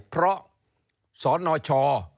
เพราะสอนอชอ